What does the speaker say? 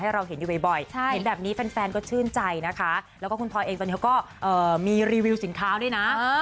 แล้วเห็นบ่อยไฟแบบนี้แฟนก็ชื่นใจนะคะแล้วก็คุณพอนิก็มาดีนะ